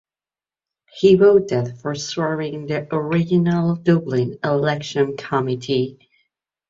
He voted for swearing the original Dublin election committee.